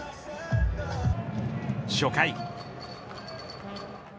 初回。